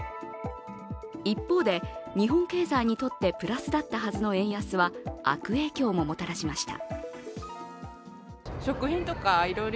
一方で、日本経済にとってプラスだったはずの円安は悪影響ももたらしました。